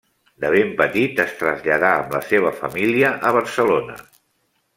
De ben petit es traslladà amb la seva família a Barcelona.